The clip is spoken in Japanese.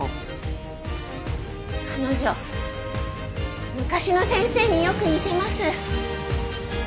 彼女昔の先生によく似てます。